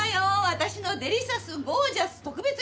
私のデリシャスゴージャス特別料理！